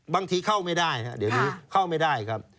บางทีเข้าไม่ได้เดี๋ยวดูเข้าไม่ได้ครับ